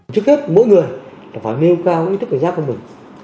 trước hết mỗi người phải nêu cao ý thức cảnh giác của mình